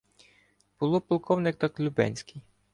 Було полковник так Лубенський